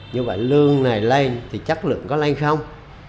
nhưng mà lương này lên thì chất lượng có lên không